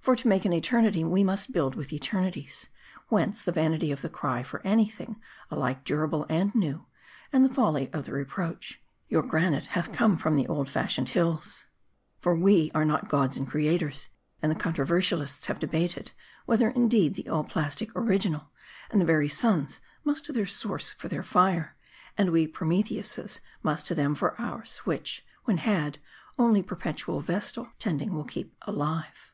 For to make an eternity,, we must build with eternities ; whence, the vanity of the cry for any thing alike durable and new; and the folly of the reproach Your granite hath come from the old fashioned M A R D I. 267 hills. For we are not gods and creators ; and the contro versialists have debated, whether indeed the All Plastic Power itself can do more than mold. In all the universe is but one original ; and the very suns must to their source for their fire ; and we Prometheuses must to them for ours ; which, when had, only perpetual Vestal tending will keep alive.